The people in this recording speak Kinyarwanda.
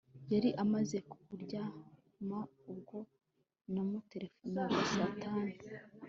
Yari amaze kuryama ubwo namuterefonaga saa tanu